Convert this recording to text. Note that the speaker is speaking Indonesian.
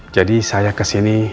jadi saya kesini